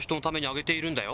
「あげているんだよ！」